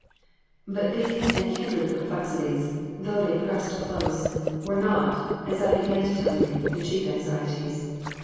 But these and kindred perplexities, though they pressed close, were not, as I began to tell you, the chief anxieties.